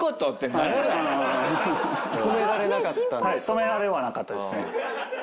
止められはなかったですね。